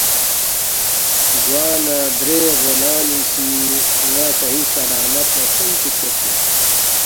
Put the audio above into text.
گوانہ درے غلامی سی ن٘ا صحیح سلامت نہ تھون چُوکسید زیرس